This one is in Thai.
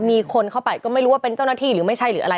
มีคนเข้าไปก็ไม่รู้ว่าเป็นเจ้าหน้าที่หรือไม่ใช่หรืออะไร